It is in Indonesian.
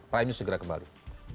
prime news segera kembali